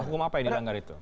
hukum apa yang dilanggar itu